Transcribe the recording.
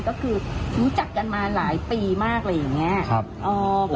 ก็คือรู้จักกันมาหลายปีมากอะไรอย่างนี้